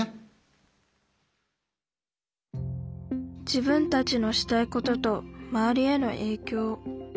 自分たちのしたいことと周りへのえいきょう。